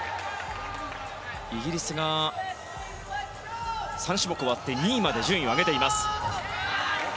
イギリスが３種目終わって２位まで順位を上げています。